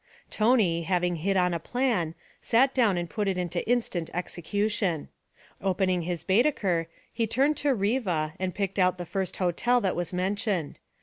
Tony, having hit on a plan, sat down and put it into instant execution. Opening his Baedeker, he turned to Riva and picked out the first hotel that was mentioned.